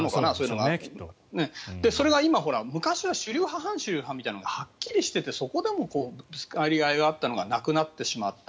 それが今、昔は主流派、反主流派みたいなのがはっきりしててそこでもぶつかり合いがあったのがなくなってしまった。